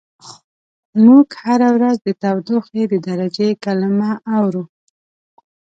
موږ هره ورځ د تودوخې د درجې کلمه اورو.